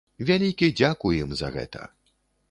Вялікі дзякуй ім за гэта.